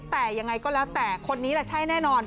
แต่ยังไงก็แล้วแต่คนนี้ล่ะใช่แน่นอน